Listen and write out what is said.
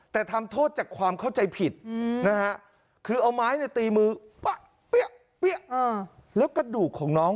แต่ทำโทษจากความเข้าใจผิดนะฮะคือเอาไม้ตีมือเป๊ะแล้วกระดูกของน้อง